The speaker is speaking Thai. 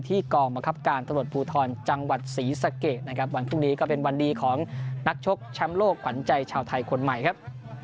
กองบังคับการตำรวจภูทรจังหวัดศรีสะเกดนะครับวันพรุ่งนี้ก็เป็นวันดีของนักชกแชมป์โลกขวัญใจชาวไทยคนใหม่ครับ